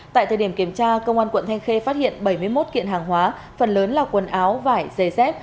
tại thời điểm kiểm tra công an quận thanh khê phát hiện bảy mươi một kiện hàng hóa phần lớn là quần áo vải giày dép